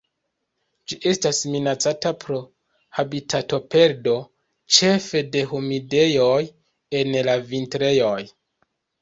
Ĝi estas minacata pro habitatoperdo, ĉefe de humidejoj en la vintrejoj.